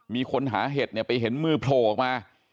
มีคนหาเห็ดเนี่ยไปเห็นมือโผล่ออกมา